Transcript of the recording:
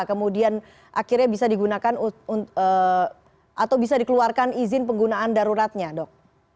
kemudian akhirnya bisa digunakan atau bisa dikeluarkan izin penggunaan daruratnya dok